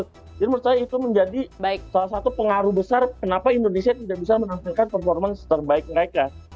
jadi menurut saya itu menjadi salah satu pengaruh besar kenapa indonesia tidak bisa menampilkan performance terbaik mereka